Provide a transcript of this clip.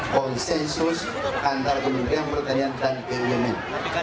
konsensus antara menteri pertanian dan kumn